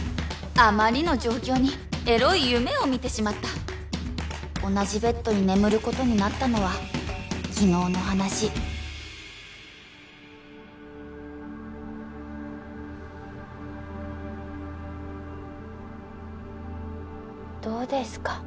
あまりの状況にエロい夢を見てしまった同じベッドに眠ることになったのは昨日の話どうですか？